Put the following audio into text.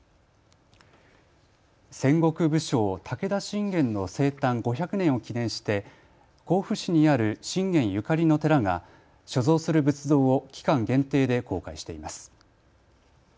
戦国武将、武田信玄の生誕５００年を記念して甲府市にある信玄ゆかりの寺が所蔵する仏像を期間限定で公開しています。